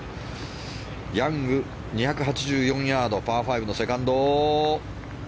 ヤング、２８４ヤードパー５のセカンド。